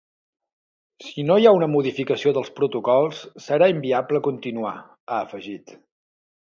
“Si no hi ha una modificació dels protocols, serà inviable continuar”, ha afegit.